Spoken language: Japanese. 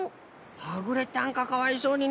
はぐれたんかかわいそうにな。